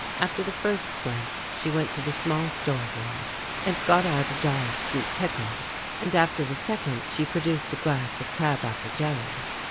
After the first glance she went to the small store room and got out a jar of sweet pickle, and after the second she produced a glass of crab apple jelly.